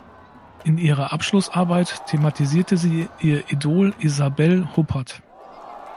In ihrer Abschlussarbeit thematisierte sie ihr Idol Isabelle Huppert.